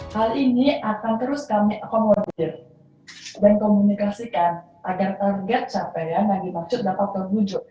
hal ini akan terus kami akomodir dan komunikasikan agar target capaian yang dimaksud dapat terwujud